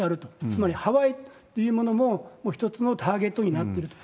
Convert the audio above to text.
つまりハワイというものも一つのターゲットになってると。